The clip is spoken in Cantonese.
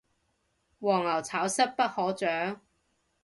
黃牛炒風不可長